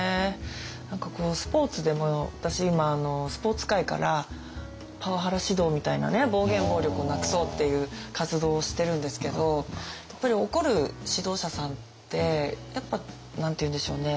何かこうスポーツでも私今スポーツ界からパワハラ指導みたいなね暴言・暴力をなくそうっていう活動をしてるんですけどやっぱり怒る指導者さんってやっぱ何て言うんでしょうね